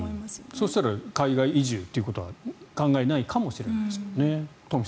そうしたら海外移住っていうことは考えないかもしれないですもんね。